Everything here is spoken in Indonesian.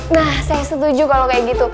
nah saya setuju kalau kayak gitu